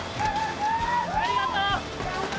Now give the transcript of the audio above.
ありがとう！